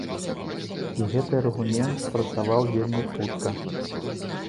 І гэты аргумент спрацаваў вельмі хутка!